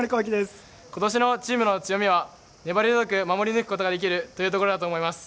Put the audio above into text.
今年のチームの強みは粘り強く守り抜くことができるというところだと思います。